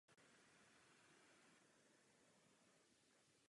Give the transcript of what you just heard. Je jediným pozůstatkem zdejšího panství z této doby.